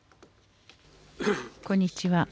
こんにちは。